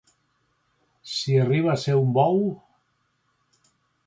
Si arriba a ser un bou...